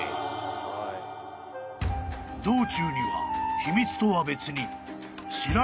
［道中には秘密とは別に］